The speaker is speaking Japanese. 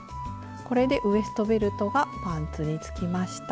これでウエストベルトがパンツにつきました。